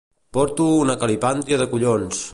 Porto una calipàndria de collons!